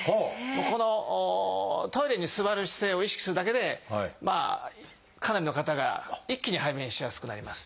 このトイレに座る姿勢を意識するだけでかなりの方が一気に排便しやすくなります。